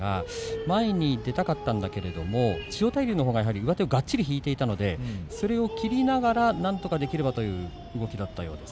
前に出たかったんだけれども千代大龍のほうが上手をがっちり引いていたのでそれを切りながらなんとかできればという動きだったようです。